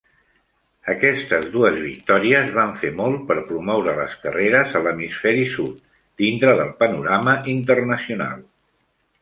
Aquestes dues victòries van fer molt per promoure les carreres a l'Hemisferi Sud dintre del panorama internacional.